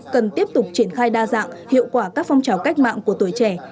cần tiếp tục triển khai đa dạng hiệu quả các phong trào cách mạng của tuổi trẻ